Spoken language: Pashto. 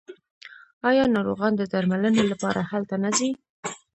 آیا ناروغان د درملنې لپاره هلته نه ځي؟